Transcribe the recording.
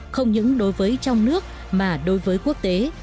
không những đối với trong nước mà đối với quốc tế